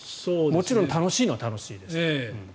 もちろん楽しいのは楽しいです。